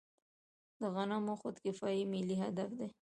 د غنمو خودکفايي ملي هدف دی.